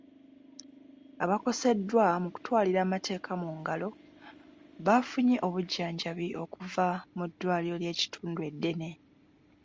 Abakoseddwa mu kutwalira amateeka mu ngalo baafunye obujjanjabi okuva mu ddwaliro ly'ekitundu eddene.